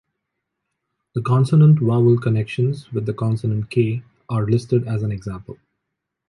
The consonant-vowel connections with the consonant “k” are listed as an example.